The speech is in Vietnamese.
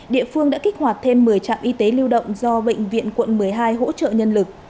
địa phương đã kích hoạt thêm một mươi trạm y tế lưu động do bệnh viện quận một mươi hai hỗ trợ nhân lực